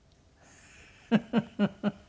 フフフフ。